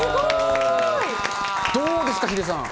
どうですか、ヒデさん。